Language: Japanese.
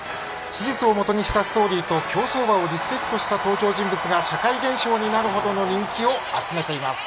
史実をもとにしたストーリーと競走馬をリスペクトした登場人物が社会現象になるほどの人気を集めています。